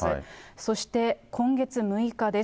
そして今月６日です。